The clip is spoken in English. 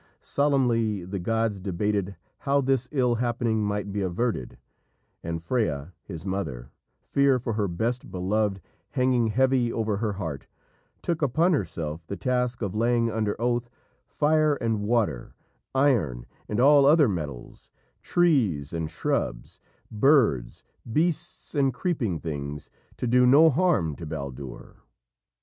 Solemnly the gods debated how this ill happening might be averted, and Freya, his mother, fear for her best beloved hanging heavy over her heart, took upon herself the task of laying under oath fire and water, iron and all other metals, trees and shrubs, birds, beasts and creeping things, to do no harm to Baldur.